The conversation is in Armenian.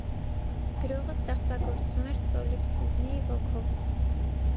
Գրողը ստեղծագործում էր սոլիպսիզմի ոգով։